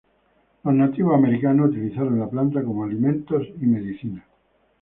Los nativos americanos utilizaron la planta como alimentos y medicina.